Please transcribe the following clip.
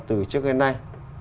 từ trước đến nay